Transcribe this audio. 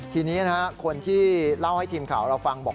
ทีนี้คนที่เล่าให้ทีมข่าวเราฟังบอก